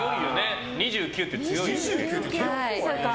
２９って強いよね。